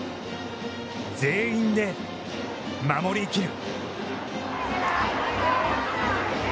全員で守りきる！